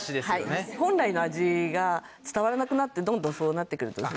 本来の味が伝わらなくなってどんどんそうなってくる。